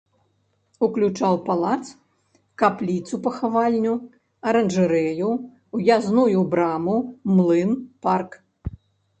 Уключаў палац, капліцу-пахавальню, аранжарэю, уязную браму, млын, парк.